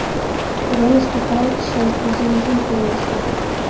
— Уремыште калыкше кузе изин коеш...